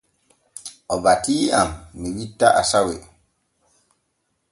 O batii am mi witta asawe.